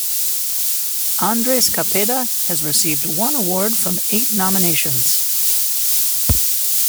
Andres Cepeda has received one award from eight nominations.